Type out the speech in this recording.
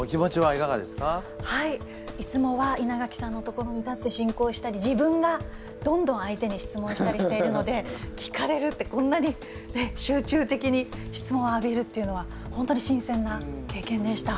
いつもは稲垣さんの所に立って進行したり自分がどんどん相手に質問したりしているので聞かれるってこんなに集中的に質問を浴びるっていうのは本当に新鮮な経験でした。